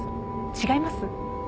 違います？